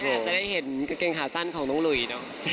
นี่กลับจะได้เห็นเกงขาสั้นของน้องหลุยเนอะ